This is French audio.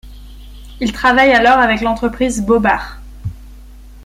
Il travaille alors avec l'entreprise Bobard.